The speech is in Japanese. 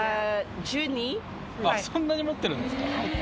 そんなに持ってるんですか。